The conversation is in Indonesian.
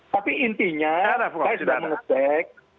tapi intinya saya sudah mengecek